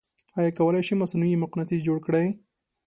آیا کولی شئ مصنوعې مقناطیس جوړ کړئ؟